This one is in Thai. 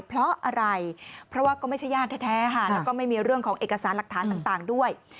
เพราะอะไรเพราะว่าก็ไม่ใช่ญาติแท้ค่ะแล้วก็ไม่มีเรื่องของเอกสารหลักฐานต่างด้วย